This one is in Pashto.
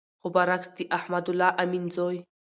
خو بر عکس د احمد الله امین زوی